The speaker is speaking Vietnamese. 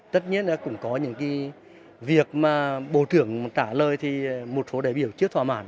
tất nhiên cũng có những việc mà bộ trưởng trả lời thì một số đại biểu chưa thỏa mãn